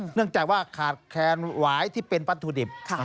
เนื่องจากว่าขาดแคลนหวายที่เป็นวัตถุดิบ